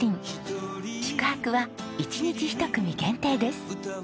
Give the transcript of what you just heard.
宿泊は一日１組限定です。